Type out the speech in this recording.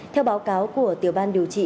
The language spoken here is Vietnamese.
theo báo cáo của tiểu ban điều trị